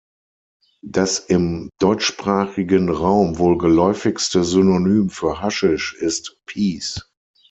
Das im deutschsprachigen Raum wohl geläufigste Synonym für Haschisch ist „Piece“.